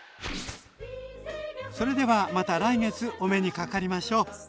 それではまた来月お目にかかりましょう！